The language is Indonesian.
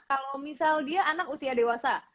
kalau misal dia anak usia dewasa